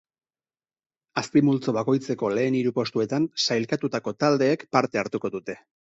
Azpimultzo bakoitzeko lehen hiru postuetan sailkatutako taldeek parte hartuko dute.